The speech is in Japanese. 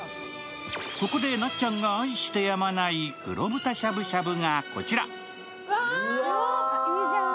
ここでなっちゃんが愛してしてやまない黒豚しゃぶしゃぶがこちら。